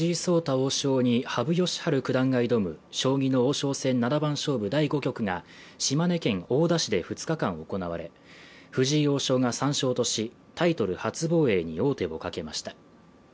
王将に、羽生善治九段が挑む将棋の王将戦七番勝負第５局が島根県大田市で２日間行われ藤井王将が３勝とし、タイトル初防衛に王手をかけました。